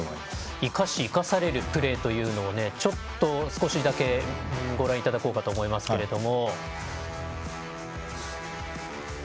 生かし生かされるプレーを少しだけご覧いただこうと思いますけども。